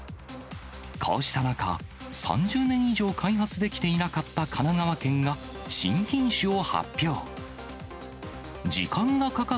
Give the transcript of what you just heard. こうした中、３０年以上開発できていなかった神奈川県が新品種を発表。